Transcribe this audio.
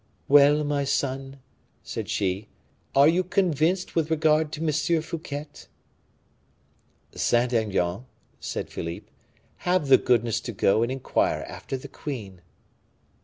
"Well, my son," said she, "are you convinced with regard to M. Fouquet?" "Saint Aignan," said Philippe, "have the goodness to go and inquire after the queen."